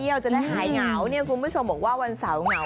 ไปเที่ยวจะได้หายเหงาคุณผู้ชมบอกว่าวันเสาร์เหงา